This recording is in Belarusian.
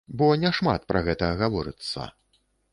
Бо няшмат пра гэта гаворыцца.